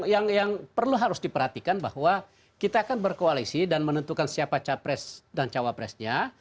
yang perlu harus diperhatikan bahwa kita akan berkoalisi dan menentukan siapa capres dan cawapresnya